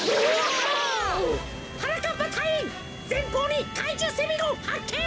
はなかっぱたいいんぜんぽうにかいじゅうセミゴンはっけん！